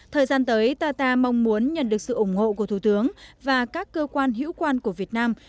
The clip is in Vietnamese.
thời gian tới qata mong muốn nhận được sự ủng hộ của thủ tướng và các cơ quan hữu quan của việt nam